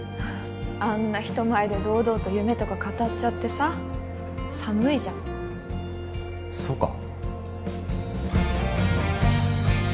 あんな人前で堂々と夢とか語っちゃってさ寒いじゃんそうか？